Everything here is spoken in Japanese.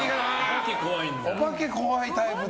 お化け、怖いタイプだ。